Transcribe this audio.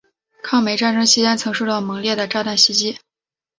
抗美战争期间曾受到猛烈的炸弹袭击。